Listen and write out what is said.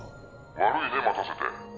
「悪いね待たせて。